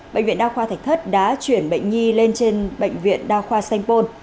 bệnh viện đa khoa thạch thất đã chuyển bệnh nhi lên trên bệnh viện đa khoa sanh pôn